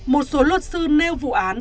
một số luật sư nêu vụ án